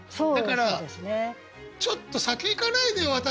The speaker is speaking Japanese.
だからちょっと先行かないでよ